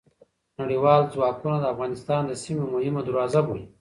نړیوال ځواکونه افغانستان د سیمې مهمه دروازه بولي.